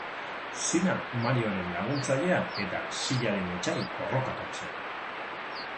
Zina Marioren laguntzailea eta Silaren etsai porrokatua zen.